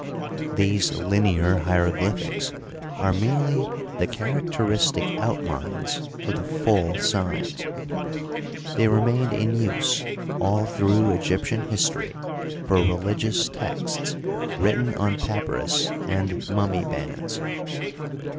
These linear hieroglyphics are merely the characteristic outlines of the full signs. They remained in use all through Egyptian history for religious texts written on papyrus and mummy bands.